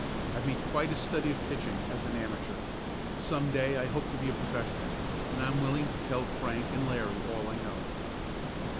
I've made quite a study of pitching as an amateur. Some day I hope to be a professional, and I'm willing to tell Frank and Larry all I know."